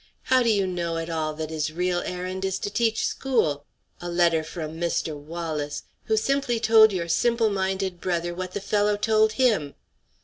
How do you know, at all, that his real errand is to teach school? A letter from Mr. Wallis! who simply told your simple minded brother what the fellow told him!